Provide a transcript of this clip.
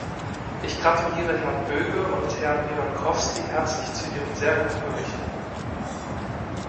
Ich gratuliere Herrn Böge und Herrn Virrankoski herzlich zu ihren sehr guten Berichten.